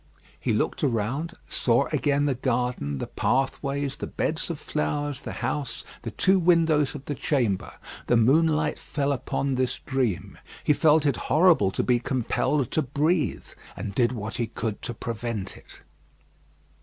He looked around; saw again the garden, the pathways, the beds of flowers, the house, the two windows of the chamber. The moonlight fell upon this dream. He felt it horrible to be compelled to breathe, and did what he could to prevent it.